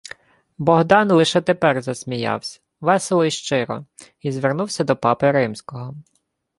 Богдан лише тепер засміявсь — весело й щиро, й звернувся до папи римського: